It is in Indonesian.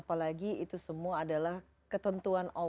apalagi itu semua adalah ketentuan allah